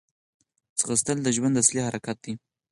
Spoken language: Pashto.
منډه د ژوند اصلي حرکت دی